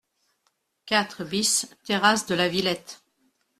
quatre BIS terrasse de la Villette